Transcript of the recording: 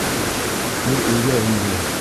Уй, ир өйгә инде!